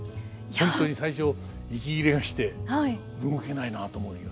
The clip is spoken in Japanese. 本当に最初息切れがして動けないなと思いましたけど。